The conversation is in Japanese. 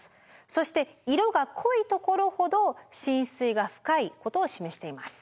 そして色が濃い所ほど浸水が深いことを示しています。